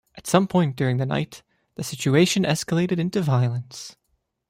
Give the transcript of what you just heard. At some point during the night, the situation escalated into violence.